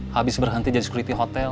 habis berhenti jajak kereta